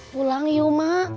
pulang yuk mak